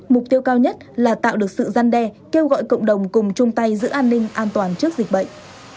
mục tiêu cao nhất là tạo được sự gian đe kêu gọi cộng đồng cùng chung tay giữ an ninh an toàn trước dịch bệnh